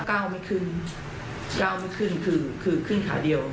ก้าวไม่ขึ้นคือขึ้นขาเดียว